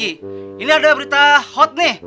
ini ada berita hot nih